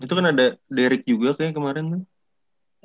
itu kan ada derick juga kayaknya kemarin tuh